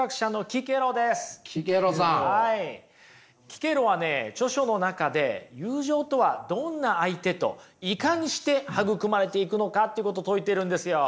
キケロはね著書の中で友情とはどんな相手といかにして育まれていくのかということ説いてるんですよ。